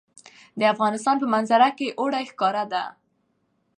د افغانستان په منظره کې اوړي ښکاره ده.